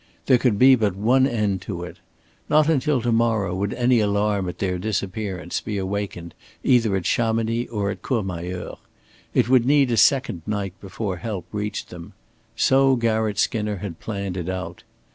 There could be but one end to it. Not until to morrow would any alarm at their disappearance be awakened either at Chamonix or at Courmayeur. It would need a second night before help reached them so Garratt Skinner had planned it out.